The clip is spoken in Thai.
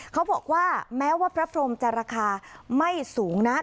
เขาบอกว่าแม้ว่าพระพรมจะราคาไม่สูงนัก